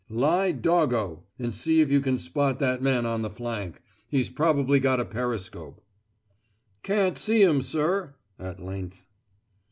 Lie doggo, and see if you can spot that man on the flank. He's probably got a periscope." "Can't see him, sir," at length.